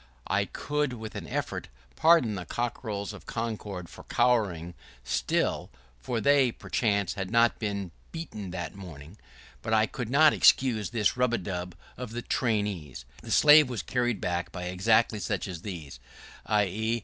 I could with an effort pardon the cockerels of Concord for crowing still, for they, perchance, had not been beaten that morning; but I could not excuse this rub a dub of the "trainers." The slave was carried back by exactly such as these; i.e.